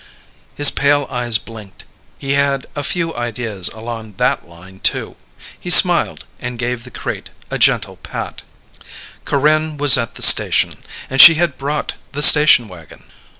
His pale eyes blinked. He had a few ideas along that line too. He smiled and gave the crate a gentle pat. Corinne was at the station, and she had brought the station wagon.